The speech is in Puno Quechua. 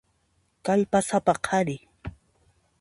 Kallpasapa qhari.